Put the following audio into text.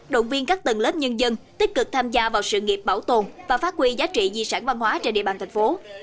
động viên các tầng lớp nhân dân tích cực tham gia vào sự nghiệp bảo tồn và phát huy giá trị di sản văn hóa trên địa bàn thành phố